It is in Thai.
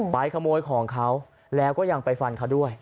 ขโมยของเขาแล้วก็ยังไปฟันเขาด้วย